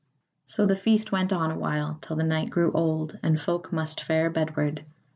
So the feast went on a while till the night grew old, and folk must fare bedward.